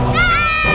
gak ada apa apa